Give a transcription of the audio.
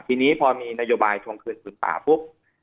ทีนี้พอมีนโยบายทวงคืนผืนป่าปุ๊บ